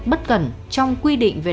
bất cẩn trong quy định về đào tội